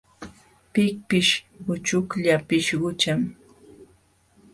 Pikpish uchuklla pishqucham.